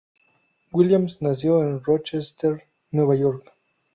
Williams nació en Rochester, Nueva York.